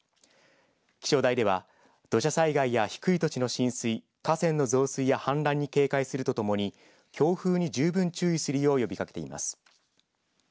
気象台では土砂災害や低い土地の浸水河川の増水や氾濫に警戒するとともに強風に十分注意するよう呼びかけています。